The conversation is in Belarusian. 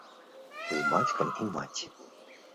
З бацькам і маці.